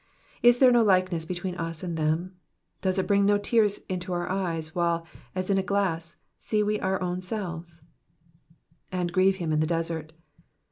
Is there no likeness between us and them ? Does it bring no tears into our eyes, while, as in a glass, we see our own selves? ^^ And grieve him in the desert.'